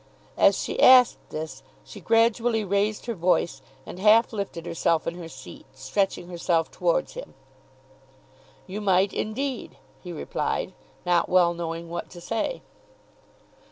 As she asked this she gradually raised her voice, and half lifted herself in her seat, stretching herself towards him. "You might indeed," he replied, not well knowing what to say.